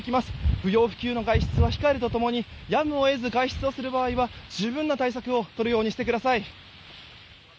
不要不急の外出は控えると共にやむを得ず外出する場合は十分な対策をとるようにしてください。